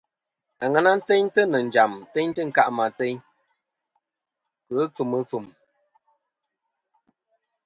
Aŋena teyntɨ nɨ̀ njàm teyntɨ ɨnkâˈ ateyn kɨ ɨfuŋ ɨfuŋ.